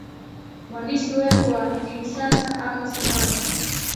mwandishi wetu wa kinshasa amos mwasi